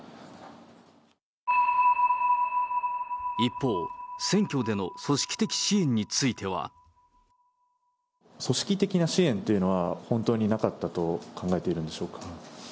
一方、選挙での組織的支援については。組織的な支援というのは本当になかったと考えているんでしょうか。